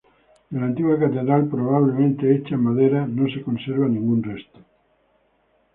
De la antigua catedral, probablemente hecha en madera, no se conserva ningún resto.